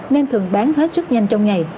nên thường bán hết rất nhanh trong ngày